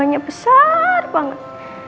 bunganya besar banget